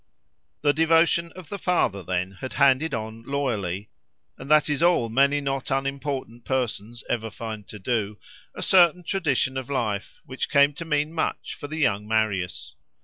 The devotion of the father then had handed on loyally—and that is all many not unimportant persons ever find to do—a certain tradition of life, which came to mean much for the young Marius.